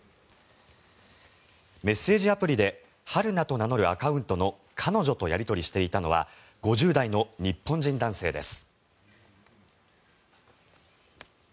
メッセージアプリで春奈と名乗るアカウントの彼女とやり取りしていたのは５０代の日本人男性です。